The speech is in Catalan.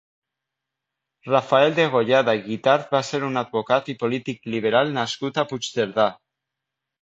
Rafael Degollada i Guitart va ser un advocat i polític liberal nascut a Puigcerdà.